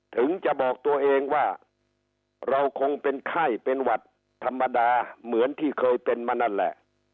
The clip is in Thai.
ถึงจะบอกตัวเองว่าเราคงเป็นไข้เป็นหวัดธรรมดาเหมือนที่เคยเป็นมานั่นแหละ